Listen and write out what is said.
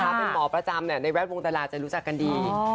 เป็นหมอประจำในแวดวงตาราจะรู้จักกันดี